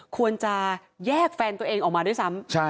ควรจะแยกแฟนตัวเองออกมาด้วยซ้ำ